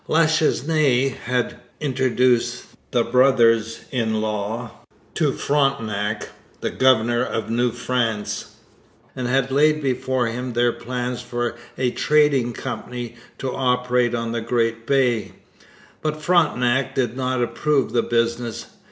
La Chesnaye had introduced the brothers in law to Frontenac, the governor of New France, and had laid before him their plans for a trading company to operate on the great bay; but Frontenac 'did not approve the business.'